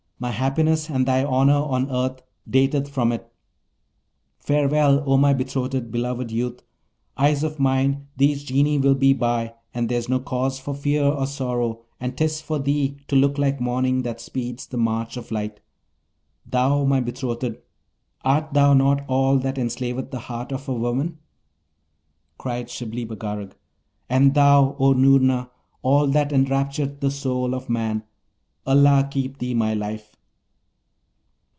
my happiness and thy honour on earth dateth from it. Farewell, O my betrothed, beloved youth! Eyes of mine! these Genii will be by, and there's no cause for fear or sorrow, and 'tis for thee to look like morning that speeds the march of light. Thou, my betrothed, art thou not all that enslaveth the heart of woman?' Cried Shibli Bagarag, 'And thou, O Noorna, all that enraptureth the soul of man! Allah keep thee, my life!'